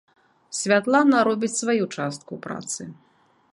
Святлана робіць сваю частку працы.